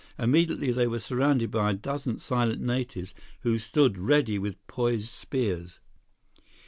Immediately, they were surrounded by a dozen silent natives, who stood ready with poised spears.